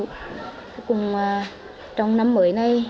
cuối cùng trong năm mới này